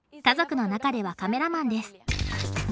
家族の中ではカメラマンです。